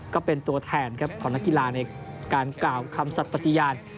ก็เป็นตัวแทนครับของนักกีฬาในการกล่าวคำสัตว์ปฏิญาณ